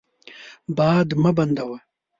باد مه بندوه.